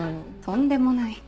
とんでもない。